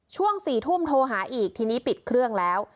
ช่วง๔ทุ่มโทรหาอีกทีนี้ปิดเครื่องแล้ว